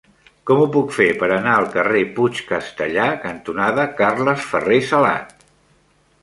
Com ho puc fer per anar al carrer Puig Castellar cantonada Carles Ferrer Salat?